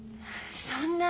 そんな！